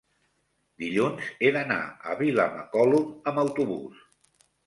dilluns he d'anar a Vilamacolum amb autobús.